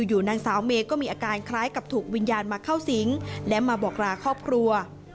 อยู่นางสาวเมย์ก็มีอาการคล้ายกับถูกวิญญาณมาเข้าสิงและมาบอกราครอบครัว